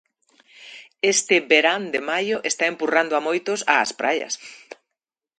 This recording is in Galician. Este verán de maio está empurrando a moitos ás praias.